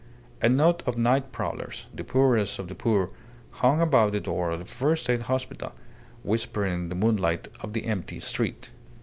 A knot of night prowlers the poorest of the poor hung about the door of the first aid hospital, whispering in the moonlight of the empty street.